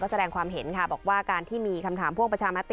แสดงความเห็นค่ะบอกว่าการที่มีคำถามพ่วงประชามติ